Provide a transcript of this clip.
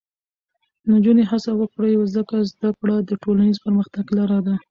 نجونې هڅه وکړي، ځکه زده کړه د ټولنیز پرمختګ لاره ده.